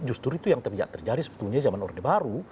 justru itu yang terjadi sebetulnya zaman orde baru